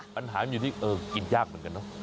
ปัญหามันอยู่ที่เออกินยากเหมือนกันเนอะ